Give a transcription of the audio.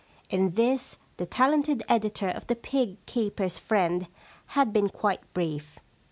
In this the talented editor of The Pig Keepers' Friend had been quite brief.